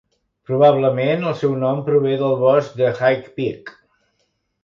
Probablement, el seu nom prové del bosc de High Peak.